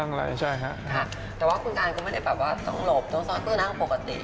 อะไรใช่ค่ะแต่ว่ากูตาไม่ได้แบบว่าสองโรคต้องช่วยมาปกติ